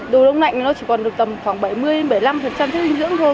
đồ đông lạnh thì nó chỉ còn được khoảng bảy mươi bảy mươi năm sức dinh dưỡng thôi